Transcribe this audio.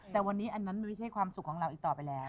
แต่วันนี้อันนั้นมันไม่ใช่ความสุขของเราอีกต่อไปแล้ว